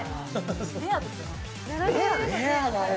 レアだよ！